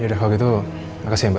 yaudah kalau gitu makasih ya mbak